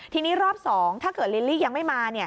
ทีนี้รอบ๒ถ้าเกิดลิลลี่ยังไม่มา